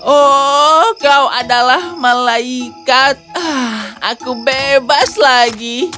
oh kau adalah malaikat aku bebas lagi